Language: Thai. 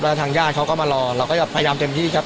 แล้วทางญาติเขาก็มารอเราก็จะพยายามเต็มที่ครับ